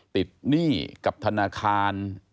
หนี้กับธนาคาร